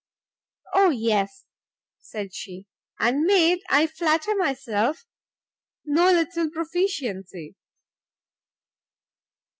"O yes," said she, "and made, I flatter myself, no little proficiency."